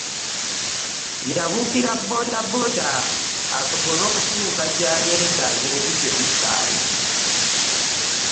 Yabukira boodabooda osobole okutuka gya genda nga obudde bukyali.